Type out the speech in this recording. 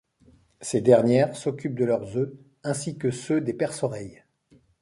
Ces dernières s'occupent de leurs œufs, ainsi que ceux des perce-oreilles.